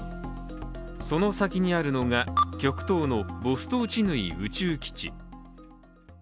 その先にあるのが極東のボストーチヌイ宇宙基地。